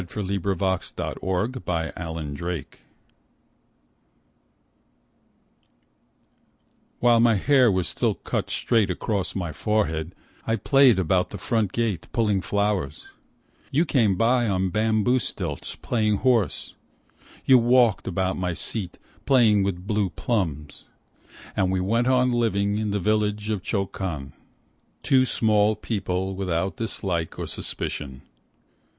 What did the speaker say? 80 The River Merchant's Wife: a Letter WHILE my hair was still cut straight across my forehead I played about the front gate, pulling flowers You came by on bamboo stilts, playing horse, You walked about my seat, playing with blue plums. And we went on living in the village of Chokan : Two small people, without dislike or suspicion.